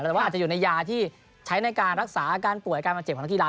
แต่ว่าอาจจะอยู่ในยาที่ใช้ในการรักษาอาการป่วยการบาดเจ็บของนักกีฬา